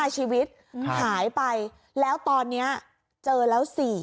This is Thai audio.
๕ชีวิตหายไปแล้วตอนนี้เจอแล้ว๔